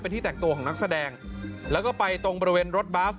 ที่แต่งตัวของนักแสดงแล้วก็ไปตรงบริเวณรถบัส